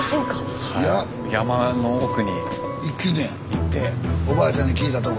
スタジオおばあちゃんに聞いたとこ。